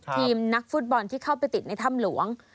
ทีมนักฟุตบอลที่เข้าไปติดในถ้ำหลวง